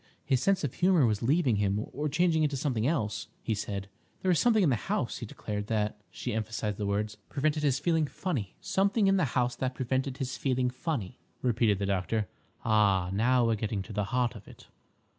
His sense of humour was leaving him, or changing into something else, he said. There was something in the house, he declared, that"—she emphasised the words—"prevented his feeling funny." "Something in the house that prevented his feeling funny," repeated the doctor. "Ah, now we're getting to the heart of it!"